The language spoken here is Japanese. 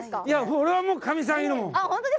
いや、俺はもうかみさんいるもん。